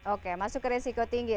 oke masuk ke resiko tinggi